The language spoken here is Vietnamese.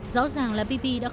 một nước vời activities